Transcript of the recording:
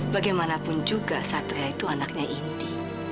bagaimanapun juga satria itu anaknya inti